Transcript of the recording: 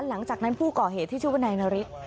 หลังจากนั้นผู้ก่อเหตุที่ช่วยบ้านไดนะฤทธิ์